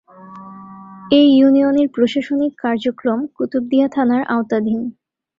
এ ইউনিয়নের প্রশাসনিক কার্যক্রম কুতুবদিয়া থানার আওতাধীন।